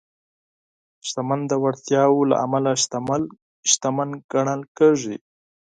شتمن د وړتیاوو له امله شتمن ګڼل کېږي.